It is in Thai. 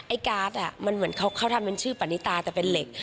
การ์ดมันเหมือนเขาทำเป็นชื่อปณิตาแต่เป็นเหล็ก